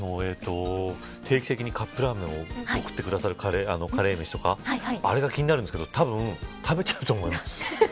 定期的にカップラーメンを送ってくださるカレーめしとか、あれが気になるんですけどたぶん食べちゃうと思います。